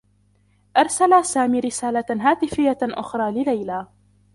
أرسل سامي رسالة هاتفيّة أخرى لليلى.